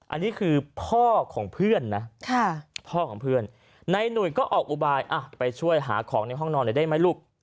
อันนี้คือพ่อของเพื่อนนะพ่อของเพื่อนนายหนุ่ยก็ออกอุบายไปช่วยหาของในห้องนอนหน่อยได้ไหมลูก